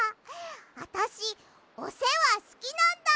あたしおせわすきなんだ！